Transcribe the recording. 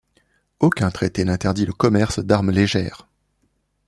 Aucun traité n'interdit le commerce d'armes légères.